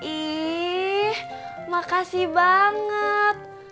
ih makasih banget